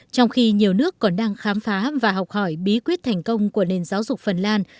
trong khi nhiều nước còn đang khám phá và học hỏi bí quyết thành công của nền giáo dục phần lan